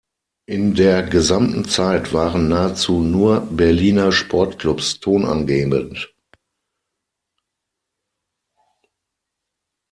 In der gesamten Zeit waren nahezu nur Berliner Sportklubs tonangebend.